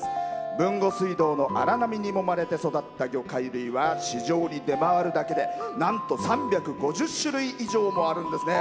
豊後水道の荒波にもまれて育った魚介類は市場に出回るだけでなんと３５０種類以上もあるんですね。